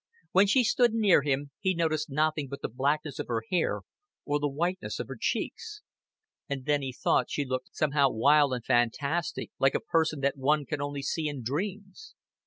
When she stood near him, he noticed nothing but the blackness of her hair or the whiteness of her cheeks; and then he thought she looked somehow wild and fantastic, like a person that one can see only in dreams.